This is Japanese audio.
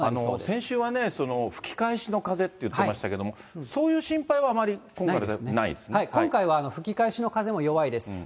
先週はね、吹き返しの風っていってましたけども、そういう心配はあまり今回の台風はないですね。